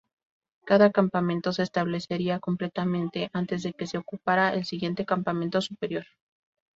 Cada campamento se establecería completamente antes de que se ocupara el siguiente campamento superior.